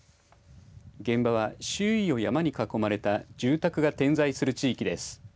現場は周囲を山に囲まれた住宅が点在する地域です。